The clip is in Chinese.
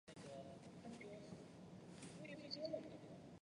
中华人民共和国科学家。